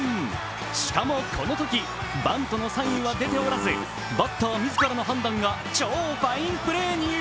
しかもこのときバントのサインは出ておらずバッター自らの判断が超ファインプレーに。